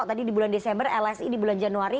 tadi di bulan desember lsi di bulan januari